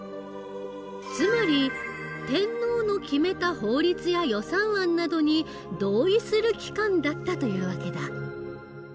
つまり天皇の決めた法律や予算案などに同意する機関だったという訳だ。